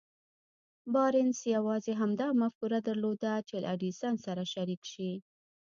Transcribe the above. بارنس يوازې همدا مفکوره درلوده چې له ايډېسن سره شريک شي.